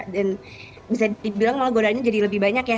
dan bisa dibilang malah godaannya jadi lebih banyak ya